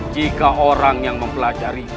jika orang yang mempelajari